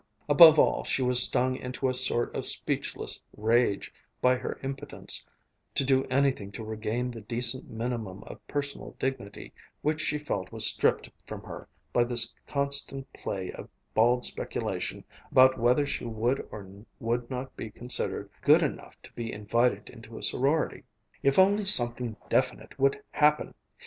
Above all she was stung into a sort of speechless rage by her impotence to do anything to regain the decent minimum of personal dignity which she felt was stripped from her by this constant play of bald speculation about whether she would or would not be considered "good enough" to be invited into a sorority. If only something definite would happen!